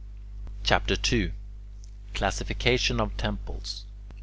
CHAPTER II CLASSIFICATION OF TEMPLES 1.